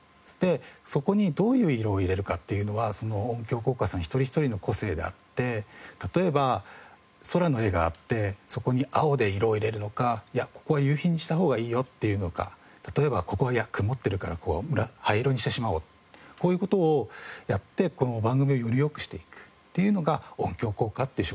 そこにどういう色を入れるかというのはその音響効果さん一人一人の個性であって例えば空の絵があってそこに青で色を入れるのかいやここは夕日にした方がいいよっていうのか例えばここは曇っているから灰色にしてしまおうこういう事をやって番組をより良くしていくというのが音響効果という仕事なんだろうなと思っています。